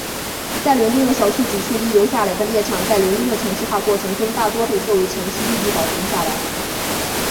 在伦敦的少数几处遗留下来的猎场在伦敦的城市化过程中大多被作为城市绿地保留下来。